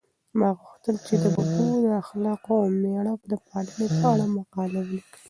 ما غوښتل چې د ببو د اخلاقو او مېړه پالنې په اړه مقاله ولیکم.